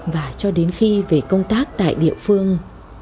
và cho đến khi về công tác tại địa phương